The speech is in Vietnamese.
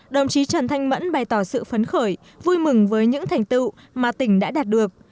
đồng chí trần thanh mẫn bày tỏ sự phấn khởi vui mừng với những thành tựu mà tỉnh đã đạt được